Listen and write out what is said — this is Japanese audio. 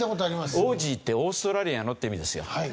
オージーって「オーストラリアの」って意味ですよ。